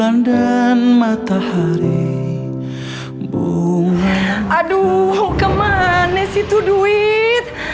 aduh kemana situ duit